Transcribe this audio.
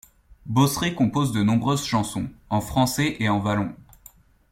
Bosret compose de nombreuses chansons, en français et en wallon.